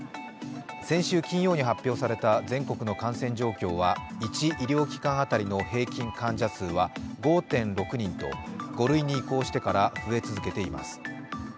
先週金曜に発表された全国の感染状況は１医療機関あたりの平均患者数は５．６人と、５類に移行してから増え続けています。